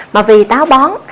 mà vì táo bón